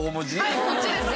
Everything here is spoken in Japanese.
はいこっちです。